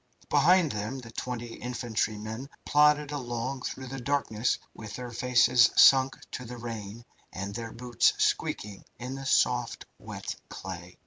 Behind them the twenty infantrymen plodded along through the darkness with their faces sunk to the rain, and their boots squeaking in the soft, wet clay.